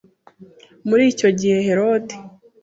Muri icyo gihe Herode